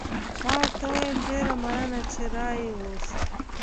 ما ورته وویل: ډېره مننه، چې را يې وست.